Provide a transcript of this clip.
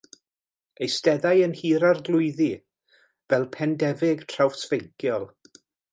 Eisteddai yn Nhŷ'r Arglwyddi fel pendefig trawsfeinciol.